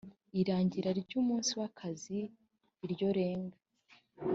irangira ry umunsi w akazi iryo renga